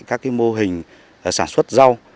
các cái mô hình sản xuất rau